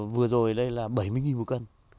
vừa rồi đây là bảy mươi một cân